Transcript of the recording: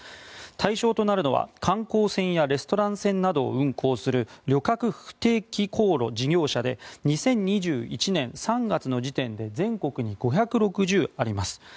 対象となるのは観光船やレストラン船などを運行する旅客不定期航路事業者で２０２１年３月の時点で全国に５６０あります。